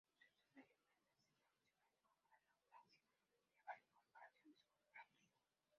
Su uso de elementos extra-musicales con gran audacia le valió comparaciones con Berlioz.